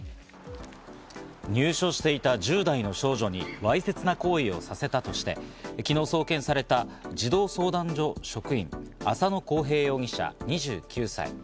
入所していた１０代の少女にわいせつな行為をさせたとして昨日送検された児童相談所職員・浅野紘平容疑者、２９歳。